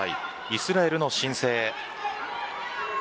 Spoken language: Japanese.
イスラエルの新星です。